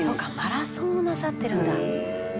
マラソンをなさってるんだ」